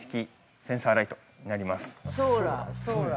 センサーライトになります。